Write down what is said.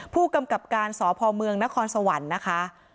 ผู้กำกับการสพเมืองนครสวรรค์นะคะ